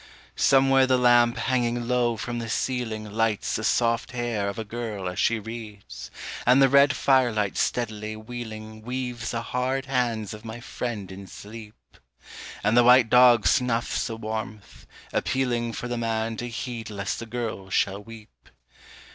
_) Somewhere the lamp hanging low from the ceiling Lights the soft hair of a girl as she reads, And the red firelight steadily wheeling Weaves the hard hands of my friend in sleep. And the white dog snuffs the warmth, appealing For the man to heed lest the girl shall weep.